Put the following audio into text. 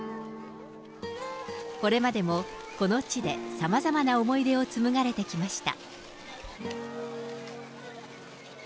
これまでもこの地でさまざまな思い出を紡がれてきました。